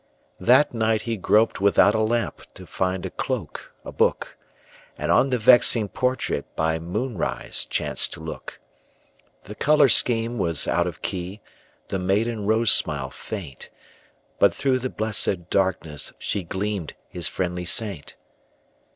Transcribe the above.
That night he groped without a lamp To find a cloak, a book, And on the vexing portrait By moonrise chanced to look. The color scheme was out of key, The maiden rose smile faint, But through the blessed darkness She gleamed, his friendly saint.